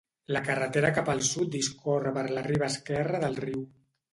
La carretera cap al sud discorre per la riba esquerra del riu.